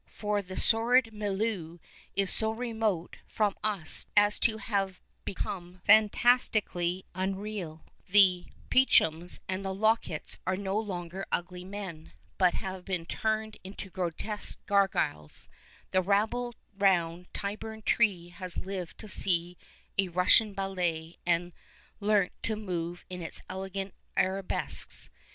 For the sordid milieu is so remote from us as to have become fantastically unreal ; the 181 Ka PASTICHE AND PREJUDICE Peachums and the Lockits are no longer ugly men, but have been turned into grotesque gargoyles ; the rabble round Tyburn Tree has lived to see a Russian ballet and learnt to move in its elegant arabesques.